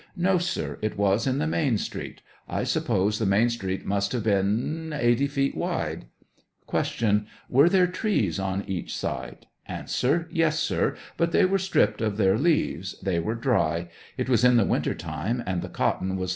No, sir ; it was in the main street ; 1 suppose the main street must have been 80 feet wide. Q. Were there trees on each side ? A. Yes, sir ; but they were stripped of their leaves ; they were dry ; it was in the winter time, and the cot ton was